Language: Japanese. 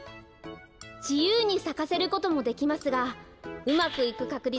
じゆうにさかせることもできますがうまくいくかくり